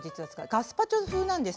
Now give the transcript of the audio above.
ガスパチョ風です。